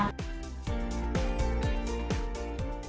jadi kita bisa schedule juga dari mana mana